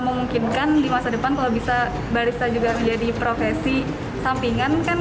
memungkinkan di masa depan kalau bisa baris aja jadi profesi sampingan kan